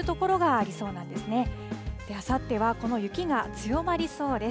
あさってはこの雪が強まりそうです。